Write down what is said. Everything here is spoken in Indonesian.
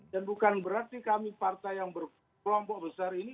bukan berarti kami partai yang berkelompok besar ini